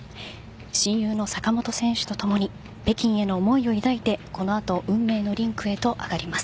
親友の坂本選手とともに北京への思いを抱いてこの後、運命のリンクへと上がります。